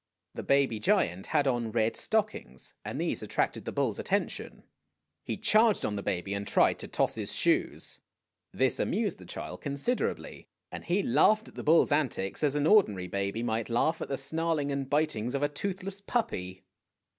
The baby giant had on red stockings, and these attracted the bull's attention. He charged on the baby, and tried to toss his shoes. This amused the child considerably, and he laughed at the bull's antics as an ordinary baby might laugh at the snarling and bitings of a toothless puppy.